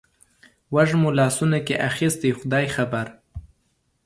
وږمو لاسونو کې اخیستي خدای خبر